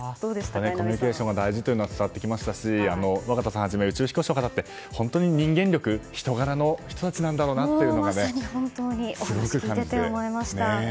コミュニケーションが大事というのが伝わってきましたし若田さんはじめ宇宙飛行士の方って本当に人間力人柄の人たちなんだろうなというのをすごく感じました。